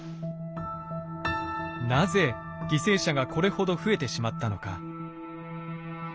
なぜ犠牲者がこれほど増えてしまったのか。